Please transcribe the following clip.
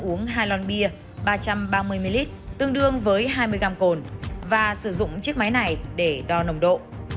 uống hai lon bia ba trăm ba mươi ml tương đương với hai mươi gram cồn và sử dụng chiếc máy này để đo nồng độ